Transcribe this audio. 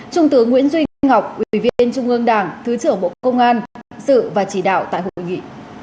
trung tướng nguyễn duy ngọc ủy viên trung ương đảng thứ trưởng bộ công an sự và chỉ đạo tại hội nghị